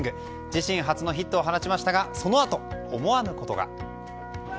自身初のヒットを放ちましたがそのあと、思わぬことが。